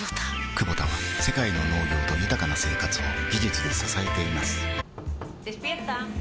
クボタは世界の農業と豊かな生活を技術で支えています起きて。